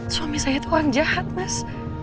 suami saya itu orang jahat mas